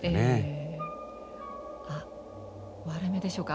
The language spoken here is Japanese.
あっ割れ目でしょうか。